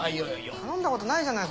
頼んだことないじゃない。